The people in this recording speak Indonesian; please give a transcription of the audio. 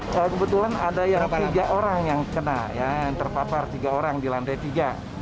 kalau kebetulan ada yang tiga orang yang terpapar di lantai tiga